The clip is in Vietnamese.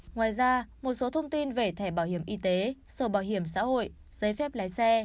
ngoài ra một số thông tin về thẻ bảo hiểm y tế sổ bảo hiểm xã hội giấy phép lái xe